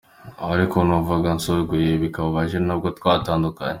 Ariko numvaga ansuzuguye bikabije n’ubwo twatandukanye.